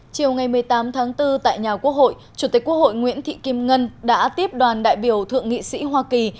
chiều ngày một mươi tám tháng bốn tại nhà quốc hội chủ tịch quốc hội nguyễn thị kim ngân đã tiếp đoàn đại biểu thượng nghị sĩ hoa kỳ